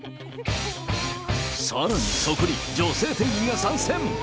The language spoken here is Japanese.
さらにそこに女性店員が参戦。